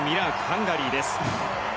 ハンガリーです。